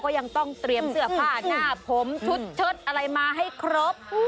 ยังต้องเตรียมเสื้อผ้าหน้าผมชุดเชิดอะไรมาให้ครบ